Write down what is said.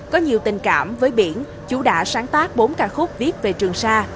có nhiều tình cảm với biển chú đã sáng tác bốn ca khúc viết về trường xa